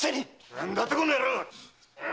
何だと⁉この野郎！